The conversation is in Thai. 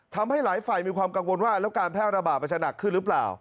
ทำให้หลายฝ่ายมีความกังวลว่าแล้วการแพร่ระบาดมันจะหนักขึ้นหรือเปล่า